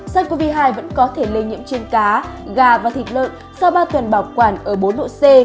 sars cov hai vẫn có thể lây nhiễm trên cá gà và thịt lợn sau ba tuần bảo quản ở bốn độ c